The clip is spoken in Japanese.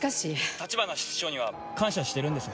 橘室長には感謝してるんです。